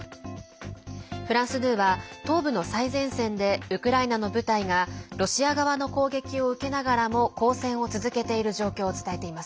フランス２は東部の最前線でウクライナの部隊がロシア側の攻撃を受けながらも抗戦を続けている状況を伝えています。